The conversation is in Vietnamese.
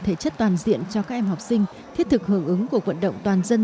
thể chất toàn diện cho các em học sinh thiết thực hưởng ứng cuộc vận động toàn dân